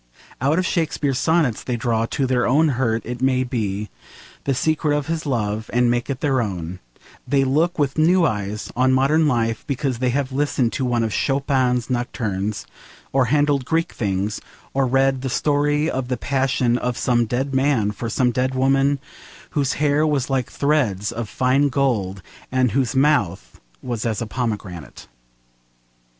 Out of Shakespeare's sonnets they draw, to their own hurt it may be, the secret of his love and make it their own; they look with new eyes on modern life, because they have listened to one of Chopin's nocturnes, or handled Greek things, or read the story of the passion of some dead man for some dead woman whose hair was like threads of fine gold, and whose mouth was as a pomegranate.